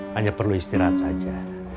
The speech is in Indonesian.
hanya perlu istirahat saja